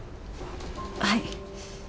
はい。